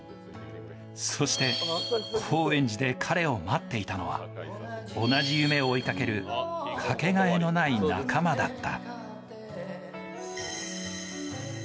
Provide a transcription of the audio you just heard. そして、高円寺で彼を待っていたのは同じ夢を追いかける掛けがえのない仲間だった。